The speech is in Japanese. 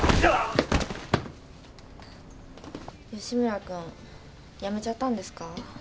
吉村君辞めちゃったんですか？